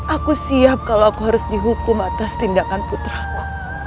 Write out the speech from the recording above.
aku siap kalau aku harus dihukum atas tindakan putraku